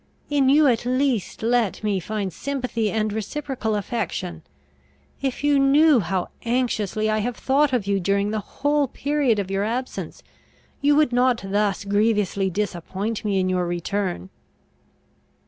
In you at least let me find sympathy and reciprocal affection! If you knew how anxiously I have thought of you during the whole period of your absence, you would not thus grievously disappoint me in your return!"